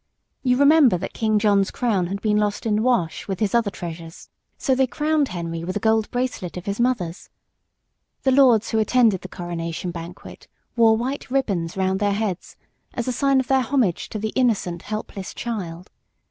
You remember that King John's crown had been lost in the Wash with his other treasures, so they crowned Henry with a gold bracelet of his mother's. The lords who attended the coronation banquet wore white ribbons round their heads as a sign of their homage to the innocent, helpless child.